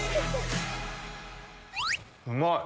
うまい！